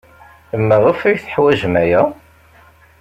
Maɣef ay teḥwajem aya?